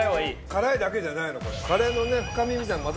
辛いだけじゃないのこれ。